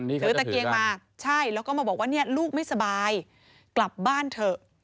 ถือตะเกียงมาใช่แล้วก็มาบอกว่าเนี่ยลูกไม่สบายกลับบ้านเถอะ